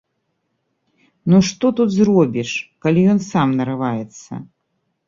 Ну што тут зробіш, калі ён сам нарываецца?